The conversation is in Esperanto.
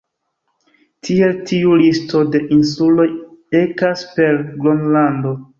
Tiele tiu listo de insuloj ekas per Gronlando.